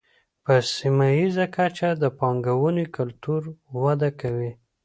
په سیمه ییزه کچه د پانګونې کلتور وده کوي.